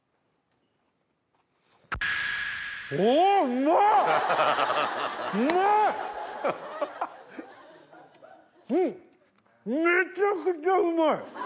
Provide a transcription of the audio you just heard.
うんめちゃくちゃうまい！